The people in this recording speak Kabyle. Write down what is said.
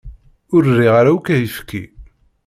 Ur riɣ ara akk ayefki.